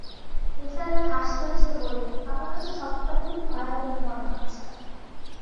নিসার আলি হাসতে-হাসতে বললেন, আমার কাছে স্বপ্নটা খুব ভয়াবহ মনে হচ্ছে না।